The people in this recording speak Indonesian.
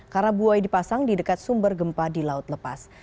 karena buoi dipasang di dekat sumber gempa di laut lepas